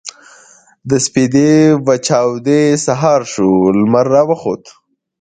د سپـېدې وچـاودې سـهار شـو لمـر راوخـت.